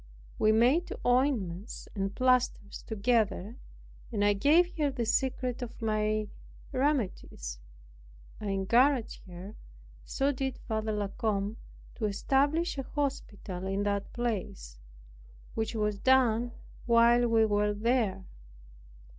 We made ointments and plasters together, and I gave her the secret of my remedies, I encouraged her, and so did Father La Combe, to establish an hospital in that place; which was done while we were there.